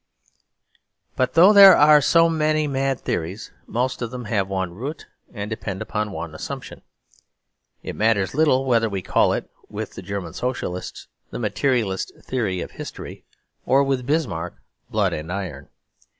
But though there are so many mad theories, most of them have one root; and depend upon one assumption. It matters little whether we call it, with the German Socialists, "the Materialist Theory of History"; or, with Bismarck, "blood and iron."